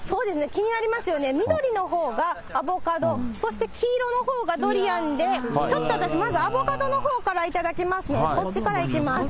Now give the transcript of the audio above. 気になりますよね、緑のほうがアボカド、そして黄色のほうがドリアンで、ちょっと私、まずアボカドのほうから頂きますね、こっちからいきます。